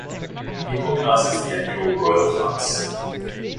He organizes the annual Royal hunts.